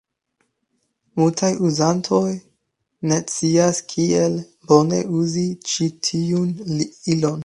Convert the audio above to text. Multaj uzantoj ne scias kiel bone uzi ĉi tiun ilon.